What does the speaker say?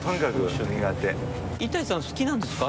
板谷さん好きなんですか？